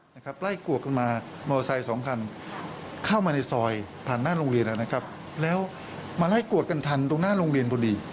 ไล่กวดกันมามอเตอร์ไซค์สองคันเข้ามาในซอยผ่านหน้าโรงเรียนแล้วนะครับแล้วมาไล่กวดกันทันตรงหน้าโรงเรียนพอดี